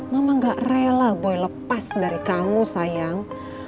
mama gak rela boy lepas dari kamu sayang